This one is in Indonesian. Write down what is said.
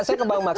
saya kebang maks